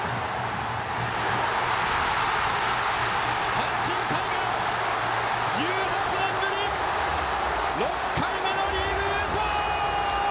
阪神タイガース、１８年ぶり６回目のリーグ優勝！